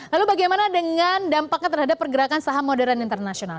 lalu bagaimana dengan dampaknya terhadap pergerakan saham modern internasional